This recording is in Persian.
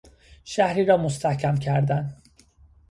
شهری را مستحکم کردن